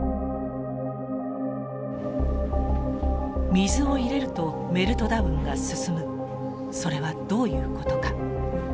水を入れるとメルトダウンが進むそれはどういうことか。